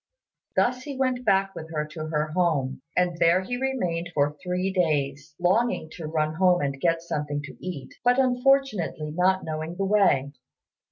Thus he went back with her to her home, and there he remained for three days, longing to run home and get something to eat, but unfortunately not knowing the way.